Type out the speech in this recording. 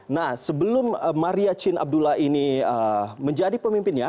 nah sebelum maria chin abdullah ini menjadi pemimpinnya